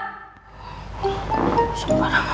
usah parah mbak